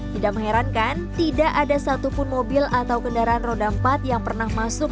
tidak mengherankan tidak ada satupun mobil atau kendaraan roda empat yang pernah masuk